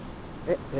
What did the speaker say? えっ？